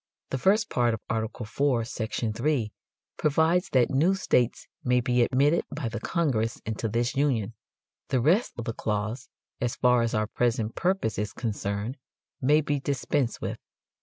The first part of Art. IV, section 3, provides that "new states may be admitted by the Congress into this Union," the rest of the clause, as far as our present purpose is concerned, may be dispensed with.